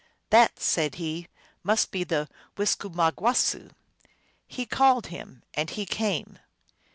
"That," said he, "must be the Wis kuma gwasoo" He called him, and he came.